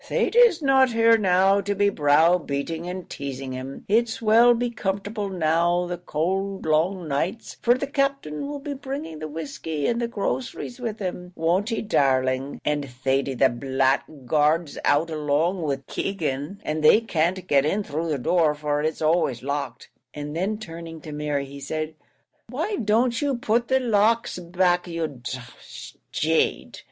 "Thady's not here now to be brow beating and teasing him; it's we'll be comfortable now the cowld long nights for the Captain 'll be bringing the whiskey and the groceries with him, won't he, darling? and Thady the blackguard's out along wid Keegan, and they can't get in through the door, for it's always locked;" and then turning to Mary, he said, "why don't you put the locks back, you d d jade?